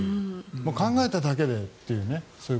考えただけでというね。